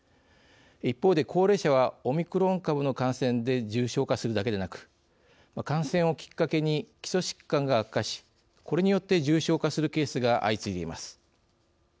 一方で高齢者はオミクロン株の感染で重症化するだけでなく感染をきっかけに基礎疾患が悪化しこれによって重症化するケースが相次いでいます。